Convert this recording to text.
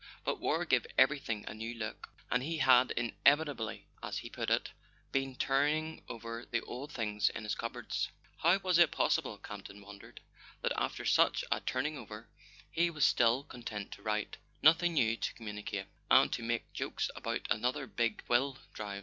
But war gave every¬ thing a new look; and he had evidently, as he put it, been turning over the old things in his cupboards. How was it possible, Campton wondered, that after such a turning over he was still content to write "Noth¬ ing new to communicate," and to make jokes about another big quill drive?